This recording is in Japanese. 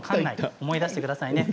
思い出してくださいね。